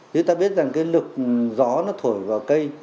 thì ta biết rằng cái lực gió nó thổi vào cây